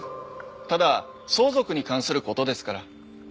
ただ相続に関する事ですから。